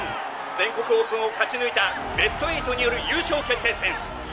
全国オープンを勝ち抜いたベスト８による優勝決定戦！